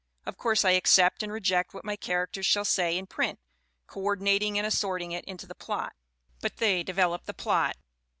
Of course I accept and reject what my charac ters shall say in print, coordinating and assorting it into the plot ; but they develop the plot.